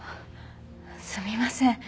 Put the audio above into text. すみません。